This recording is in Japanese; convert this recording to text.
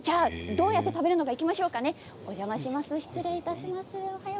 どうやって食べるのかいきましょうね。